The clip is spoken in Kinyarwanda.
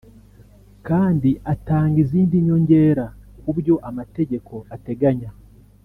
kandi atanga izindi nyongera ku byo amategeko ateganya